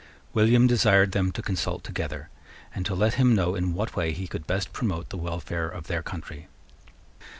William desired them to consult together, and to let him know in what way he could best promote the welfare of their country.